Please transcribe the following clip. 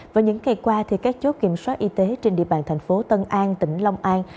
vào những ngày qua các chốt kiểm soát y tế trên địa bàn thành phố tân an tỉnh long an